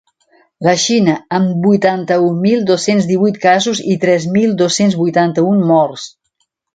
La Xina, amb vuitanta-un mil dos-cents divuit casos i tres mil dos-cents vuitanta-un morts.